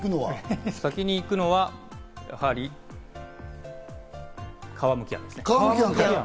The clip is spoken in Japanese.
先に行くのは、やはり皮むきあんです。